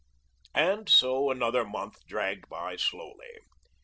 And so another month dragged by slowly.